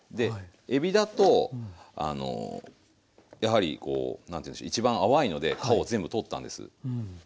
えびだとやはりこう何て言うんでしょう一番淡いので皮を全部取ったんです。